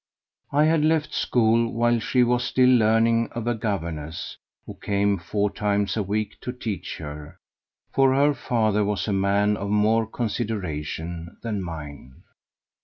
I had left school while she was still learning of a governess, who came four times a week to teach her, for her father was a man of more consideration than mine.